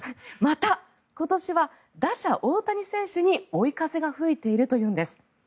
また、今年は打者・大谷選手に追い風が吹いているというんです。